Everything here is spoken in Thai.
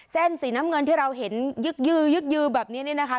เส้นสีน้ำเงินที่เราเห็นยึกยือแบบนี้นะคะ